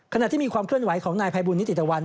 ขณะที่มีความเคลื่อนไหวของนายภัยบุญนิติตะวัน